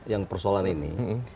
yang persoalan ini